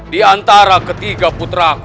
di antara ketiga putra